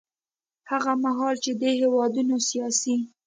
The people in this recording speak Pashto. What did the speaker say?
هغه مهال چې دې هېوادونو سیاسي